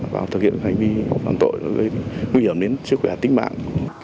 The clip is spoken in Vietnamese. vào thực hiện hành vi phạm tội nguy hiểm đến sức khỏe tính mạng